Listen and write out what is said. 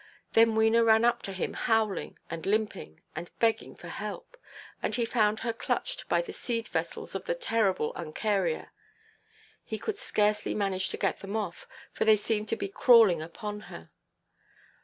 Then Wena ran up to him howling, and limping, and begging for help; and he found her clutched by the seed–vessels of the terrible uncaria. He could scarcely manage to get them off, for they seemed to be crawling upon her.